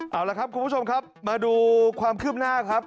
เอาละครับคุณผู้ชมครับมาดูความคืบหน้าครับ